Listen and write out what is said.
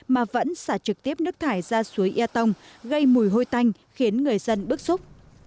mà vẫn xả trực tiếp nước thải ra suối eton gây mùi hôi tanh khiến người dân bức xúc